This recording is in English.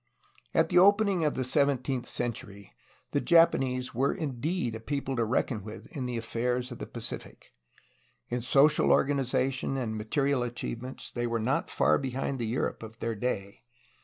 At the opening of the seventeenth century the Japanese were indeed a people to reckon with in the affairs of the Paci fic. In social organization and material achievement they were not far behind the Europe of their day.